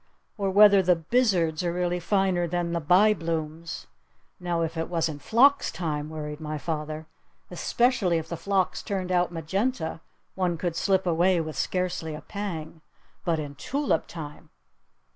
Or whether the 'Bizards' are really finer than the 'Byblooms'? Now, if it was in phlox time," worried my father. "Especially if the phlox turned out magenta, one could slip away with scarcely a pang. But in tulip time